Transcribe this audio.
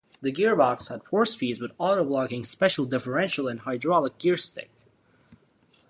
The gearbox had four speeds with auto-blocking special differential and hydraulic gear stick.